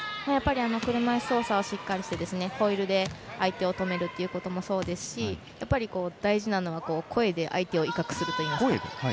車いす操作をしっかりしてホイールで相手を止めるということもそうですし大事なのは声で相手を威嚇するといいますか。